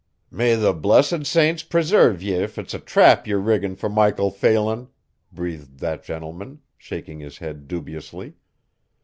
"May the blessed saints presairve ye if it's a trap ye're riggin' fer Michael Phelan," breathed that gentleman, shaking his head dubiously.